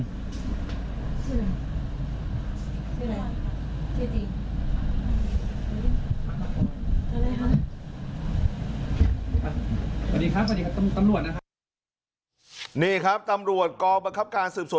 สวัสดีครับสวัสดีครับตำรวจนะครับนี่ครับตำรวจกองบังคับการสืบสวน